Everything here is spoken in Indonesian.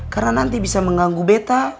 karena nanti bisa mengganggu beta